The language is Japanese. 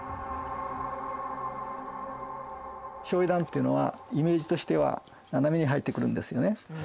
焼夷弾っていうのはイメージとしては斜めに入ってくるんですよね。